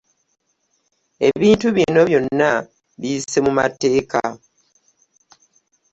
Ebintu bino byonna biyise mu mateeka.